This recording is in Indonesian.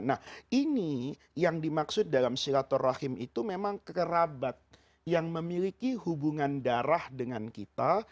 nah ini yang dimaksud dalam silaturahim itu memang kerabat yang memiliki hubungan darah dengan kita